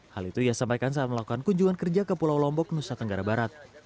hal itu ia sampaikan saat melakukan kunjungan kerja ke pulau lombok nusa tenggara barat